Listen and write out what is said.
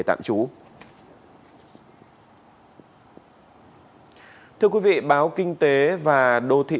thưa quý vị báo kinh tế và đô thị